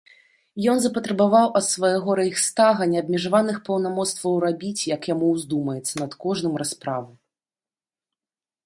Ён запатрабаваў ад свайго рэйхстага неабмежаваных паўнамоцтваў рабіць, як яму ўздумаецца, над кожным расправу.